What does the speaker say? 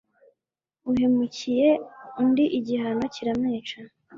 uhemukiye undi igihango kiramwica